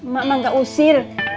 mak mak nggak usir